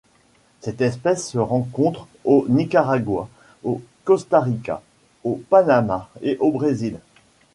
Cette espèce se rencontre au Nicaragua, au Costa Rica, au Panama et au Brésil.